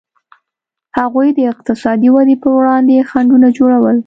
هغوی د اقتصادي ودې پر وړاندې خنډونه جوړول.